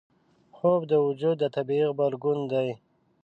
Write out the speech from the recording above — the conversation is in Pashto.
خوب د وجود طبیعي غبرګون دی